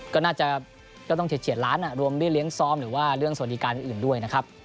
ก็น่าจะก็ต้องเฉียดล้านรวมด้วยเลี้ยงซ้อมหรือว่าเรื่องสวัสดิการอื่นด้วยนะครับ